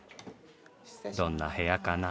どんな部屋かな？